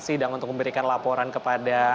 sidang untuk memberikan laporan kepada